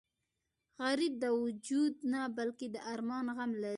غریب د وجود نه بلکې د ارمان غم لري